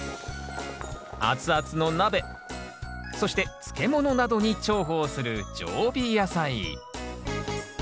熱々の鍋そして漬物などに重宝する常備野菜。